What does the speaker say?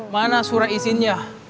mana surat isinnya